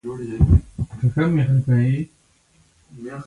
هیڅ غوښتنه ونه منل شوه.